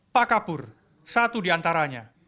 pak kapur satu di antaranya